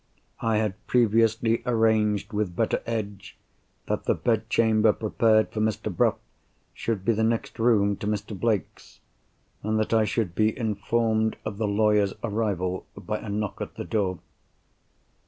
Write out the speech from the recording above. I had previously arranged with Betteredge, that the bedchamber prepared for Mr. Bruff should be the next room to Mr. Blake's, and that I should be informed of the lawyer's arrival by a knock at the door.